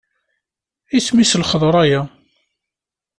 Isem-is i lxeḍra-ya?